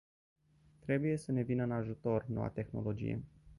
Trebuie să ne vină în ajutor noua tehnologie.